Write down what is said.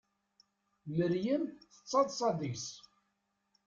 Meryem tettaḍsa deg-s.